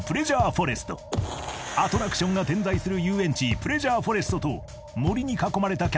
［アトラクションが点在する遊園地プレジャーフォレストと森に囲まれたキャンプ場ＰＩＣＡ